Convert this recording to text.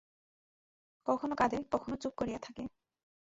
কখনো কাঁদে কখনো চুপ করিয়া থাকে।